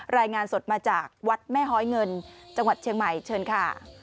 รายงานสดมาจากวัดแม่ฮ้อยเงินจังหวัดเชียงใหม่เชิญค่ะ